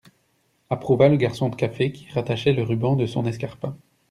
Approuva le garçon de café qui rattachait le ruban de son escarpin.